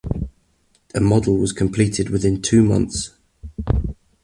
A model was completed within two months.